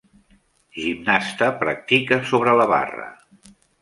Gimnasta practica sobre la barra